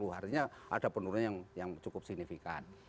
artinya ada penurunan yang cukup signifikan